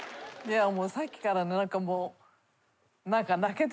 さっきから何か。